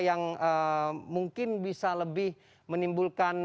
yang mungkin bisa lebih menimbulkan